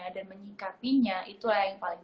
dan menyingkapinya itulah yang paling